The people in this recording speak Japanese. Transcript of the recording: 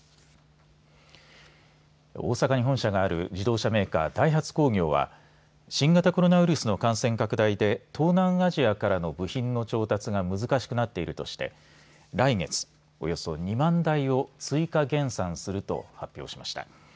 大阪に本社がある自動車メーカー、ダイハツ工業は新型コロナウイルスの感染拡大で東南アジアからの部品の調達が難しくなっているとして来月およそ２万台を追加減産すると発表しました。